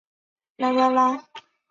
酸可分为无机酸和有机酸两种。